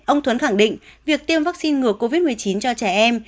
ông thuấn khẳng định việc tiêm vaccine ngừa covid một mươi chín cho trẻ em